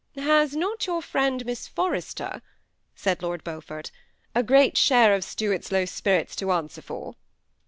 " Has not your friend, Miss Forrester," said Lord Beaufort, "a great share of Stuarfs low spirits to answer for?"